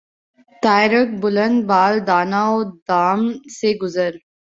طائرک بلند بال دانہ و دام سے گزر